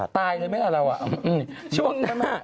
ตายเลยไหมล่ะเราช่วงนั้น